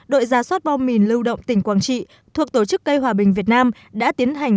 đội gia soát bom mìn lưu động tỉnh quảng trị thuộc tổ chức cây hòa bình việt nam đã tiến hành